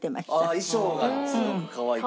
衣装がすごくかわいかった。